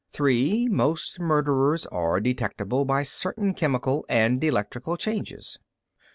Three, most murderers are detectable by certain chemical and electrical changes."